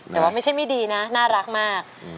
แต่ว่าไม่ใช่ไม่ดีนะน่ารักมาก